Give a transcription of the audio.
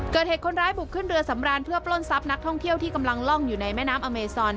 เกิดเหตุคนร้ายบุกขึ้นเรือสำรานเพื่อปล้นทรัพย์นักท่องเที่ยวที่กำลังล่องอยู่ในแม่น้ำอเมซอน